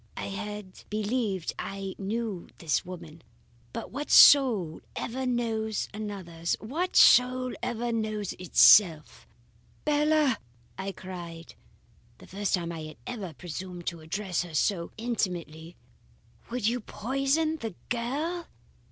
"I had believed I knew this woman; but what soul ever knows another's? What soul ever knows itself? "'Bella!' I cried; the first time I had ever presumed to address her so intimately. 'Would you poison the girl?